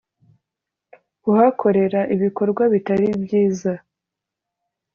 kuhakorera ibikorwa bitari byiza